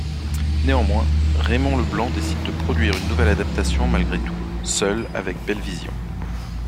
Néanmoins, Raymond Leblanc décide de produire une nouvelle adaptation malgré tout, seul avec Belvision.